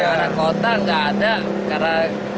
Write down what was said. di manggarai kota nggak ada